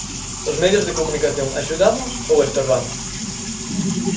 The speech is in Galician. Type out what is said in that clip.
Os medios de comunicación axudamos ou estorbamos?